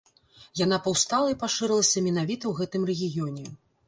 Яна паўстала і пашырылася менавіта ў гэтым рэгіёне.